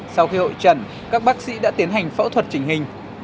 sau khi hội trần các bác sĩ đã tiến hành phẫu thuật trình hình